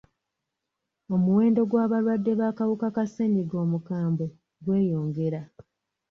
Omuwendo gw'abalwadde b'akawuka ka ssenyiga omukambwe gweyongera.